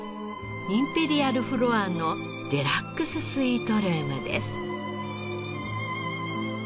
インペリアルフロアのデラックススイートルームです。